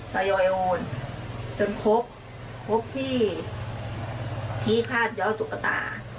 แต่ยอยโอนจนครบครบที่ที่ฆาตยอดตุ๊กตา